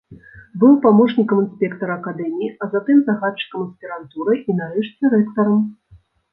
Быў памочнікам інспектара акадэміі, а затым загадчыкам аспірантурай і, нарэшце, рэктарам.